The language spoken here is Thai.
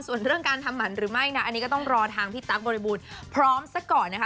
ส่วนเรื่องการทำหมันหรือไม่นะอันนี้ก็ต้องรอทางพี่ตั๊กบริบูรณ์พร้อมซะก่อนนะคะ